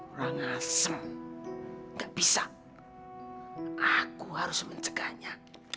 orang asem gak bisa aku harus mencegahnya